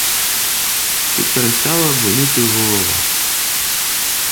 Чи перестала боліти голова?